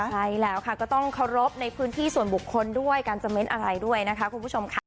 ใช่แล้วค่ะก็ต้องเคารพในพื้นที่ส่วนบุคคลด้วยการจะเน้นอะไรด้วยนะคะคุณผู้ชมค่ะ